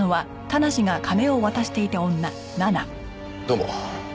どうも。